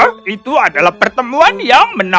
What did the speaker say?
oh itu adalah pertemuan yang menarik